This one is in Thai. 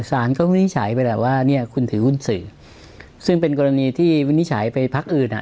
สารก็วินิจฉัยไปแล้วว่าเนี่ยคุณถือหุ้นสื่อซึ่งเป็นกรณีที่วินิจฉัยไปพักอื่นอ่ะ